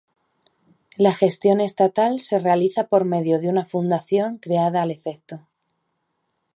La gestión estatal se realiza por medio de una fundación creada al efecto.